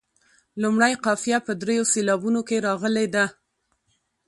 لومړۍ قافیه په دریو سېلابونو کې راغلې ده.